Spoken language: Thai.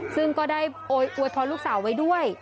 ซึ่งก็ได้อวยพรลูกสาวไว้ด้วย